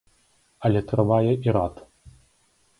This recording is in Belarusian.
Але трывае і рад.